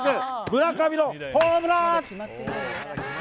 村上のホームラン！